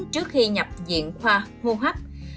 trước khi nhập diện khoa hô hấp